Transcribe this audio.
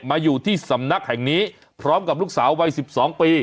อยู่ที่สำนักแห่งนี้พร้อมกับลูกสาววัย๑๒ปี